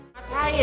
ketemu mas haipul